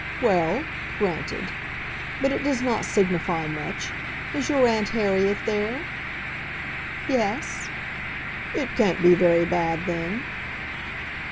"Well; granted. But it does not signify much. Is your aunt Harriet there?" "Yes." "It can't be very bad, then."